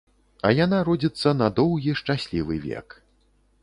А яна родзіцца на доўгі шчаслівы век.